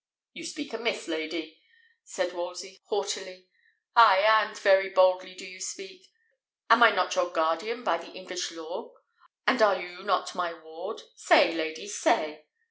"You speak amiss, lady," said Wolsey, haughtily; "ay, and very boldly do you speak. Am not I your guardian by the English law? and are you not my ward? Say, lady, say!"